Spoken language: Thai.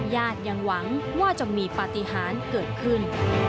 ญาติยังหวังว่าจะมีปฏิหารเกิดขึ้น